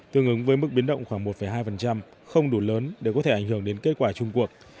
tương ứng với mức biến động khoảng một hai không đủ lớn đều có thể ảnh hưởng đến kết quả chung cuộc